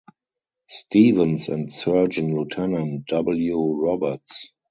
Stevens and Surgeon Lieutenant W. Roberts.